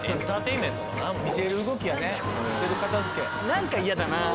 何か嫌だなぁ。